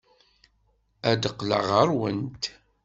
Ad d-qqleɣ ɣer-went.